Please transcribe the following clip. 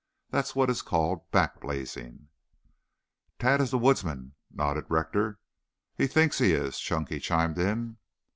That is what is called back blazing." "Tad is the woodsman," nodded Rector. "He thinks he is," Chunky chimed in.